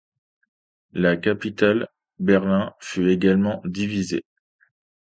La capitale, Berlin, fut également divisée.